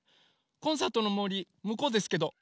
コンサートのもりむこうですけど。